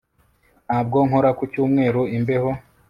Ntabwo nkora ku cyumweru imbeho